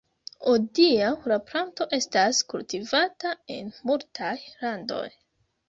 Hodiaŭ la planto estas kultivata en multaj landoj.